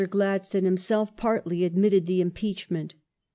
Gladstone himself partly admitted the impeachment.